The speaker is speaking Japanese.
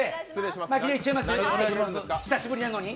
久しぶりなのに？